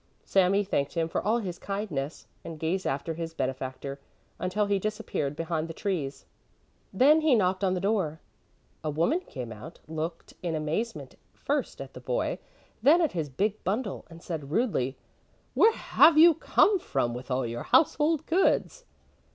Sami thanked him for all his kindness, and gazed after his benefactor, until he disappeared behind the trees. Then he knocked on the door. A woman came out, looked in amazement first at the boy, then at his big bundle, and said rudely: "Where have you come from with all your household goods?"